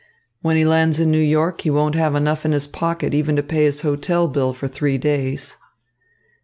When he lands in New York, he won't have enough in his pocket even to pay his hotel bill for three days."